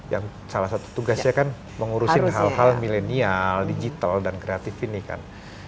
yang salah satu tugasnya kan mengurusin hal hal milenial digital dan kreatif ini kan